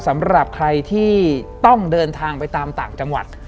สำหรับใครที่ต้องเดินทางไปตามต่างจังหวัด